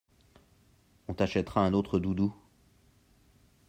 On t'achètera un autre doudou.